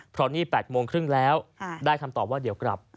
เพราะนี่๘โมงครึ่งแล้วได้คำตอบว่าเดี๋ยวกลับ